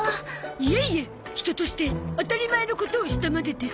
いえいえ人として当たり前のことをしたまでです。